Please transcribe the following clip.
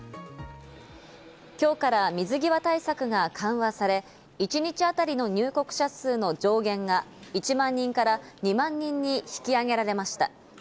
今日から水際対策が緩和され、一日当たりの入国者数の上限が１万人から２万人に引き上げられました。